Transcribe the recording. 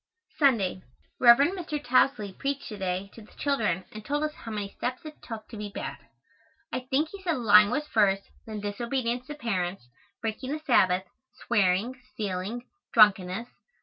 Sunday. Rev. Mr. Tousley preached to day to the children and told us how many steps it took to be bad. I think he said lying was first, then disobedience to parents, breaking the Sabbath, swearing, stealing, drunkenness.